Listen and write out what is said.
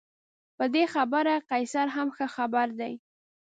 په دې خبره قیصر هم ښه خبر دی.